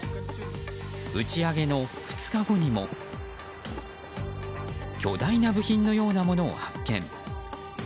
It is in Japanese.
打ち上げの２日後にも巨大な部品のようなものを発見。